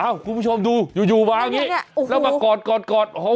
อ้าวกลุ่มผู้ชมดูอยู่มาแบบนี้แล้วมากอดแนนี่